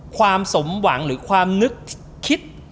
ความสมหวังหรือความนึกคิด